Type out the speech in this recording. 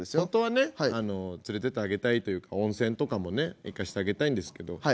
本当はねあの連れてってあげたいというか温泉とかもね行かしてあげたいんですけど。